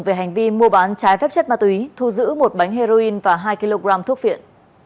về hành vi mua bán trái phép chất ma túy thu giữ một bánh heroin và hai kg thuốc viện